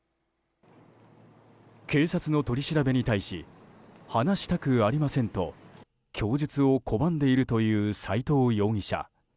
警察の取り調べに対し話したくありませんと供述を拒んでいるという斎藤容疑者。